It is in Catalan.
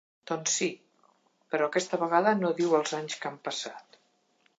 Doncs sí, però aquesta vegada no diu els anys que han passat.